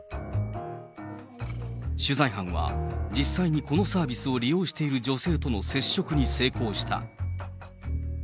取材班は実際にこのサービスを利用している女性との接触に成功した。